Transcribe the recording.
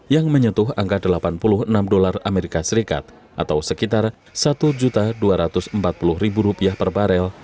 yang menyentuh angka delapan puluh enam dolar as atau sekitar satu dua ratus empat puluh rupiah per barel